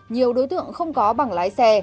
nhiều đối tượng không có bằng lái xe